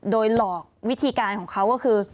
โดยหลอกวิธีการของเขา